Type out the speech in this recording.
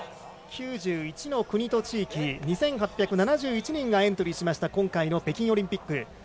９１の国と地域から２８７１人がエントリーした今回の北京オリンピック。